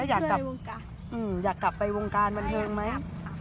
ถ้าหายแล้วอยากกลับไปวงการบันเทงไหม